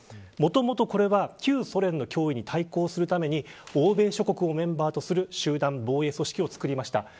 もともとこれは旧ソ連の脅威に対抗するため欧米諸国をメンバーとする集団防衛組織をつくりました。